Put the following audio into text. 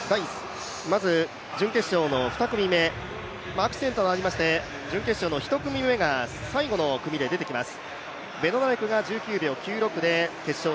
準決勝の２組目、アクシデントがありまして、１組目が最後の組で出てきます。